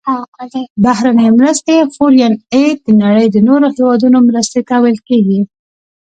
بهرنۍ مرستې Foreign Aid د نړۍ د نورو هیوادونو مرستې ته ویل کیږي.